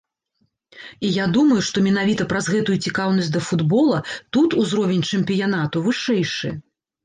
І я думаю, што менавіта праз гэтую цікаўнасць да футбола тут узровень чэмпіянату вышэйшы.